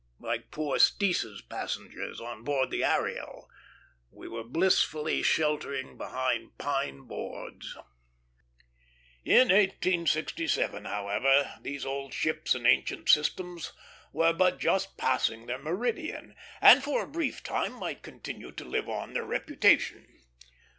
Like poor Steece's passengers on board the Ariel, we were blissfully sheltering behind pine boards. In 1867, however, these old ships and ancient systems were but just passing their meridian, and for a brief time might continue to live on their reputation.